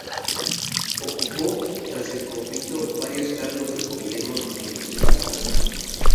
Ocupó, tras el conflicto, varios cargos del Gobierno del General Franco.